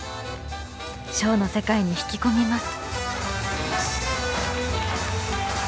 ショーの世界に引き込みます。